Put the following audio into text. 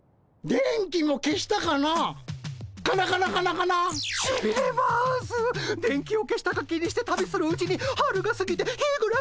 電気を消したか気にして旅するうちに春がすぎてひぐらしが鳴き始めました。